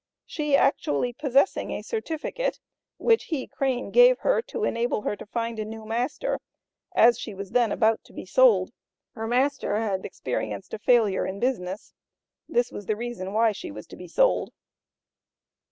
She actually possessing a certificate, which he, Crane, gave her to enable her to find a new master, as she was then about to be sold. Her master had experienced a failure in business. This was the reason why she was to be sold.